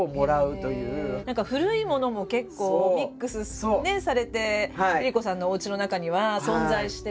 何か古いものも結構ミックスされてＬｉＬｉＣｏさんのおうちの中には存在していて。